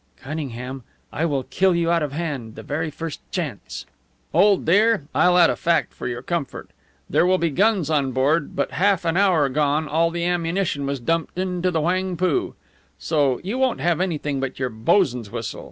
"Cunningham, I will kill you out of hand the very first chance." "Old dear, I'll add a fact for your comfort. There will be guns on board, but half an hour gone all the ammunition was dumped into the Whangpoo. So you won't have anything but your boson's whistle.